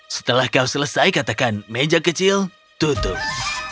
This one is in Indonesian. setelah kau selesai katakan meja kecil tutup